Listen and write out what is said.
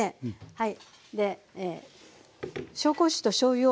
はい。